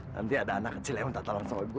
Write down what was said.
nanti ada anak kecil yang entah tolong sama gue